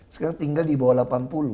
sekarang tinggal di bawah delapan puluh